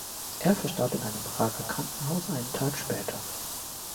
Er verstarb in einem Prager Krankenhaus einen Tag später.